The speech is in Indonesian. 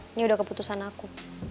ini udah keputusan aku